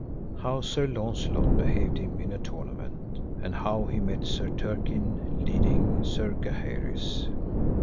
How Sir Launcelot behaved him in a tournament, and how he met with Sir Turquine leading Sir Gaheris.